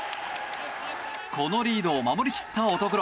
このリードを守り切った乙黒。